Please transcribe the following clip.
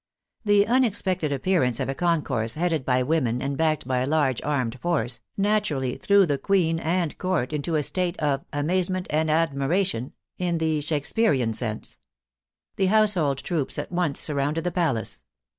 The unexpected appearance of a concourse headed by women and backed by a large armed force, naturally threw the Queen and Court into a state of " amazement and ad miration " (in the Shakesperian sense). The household troops at once surrounded the palace.